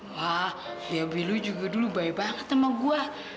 wah biabi lu juga dulu baik banget sama gua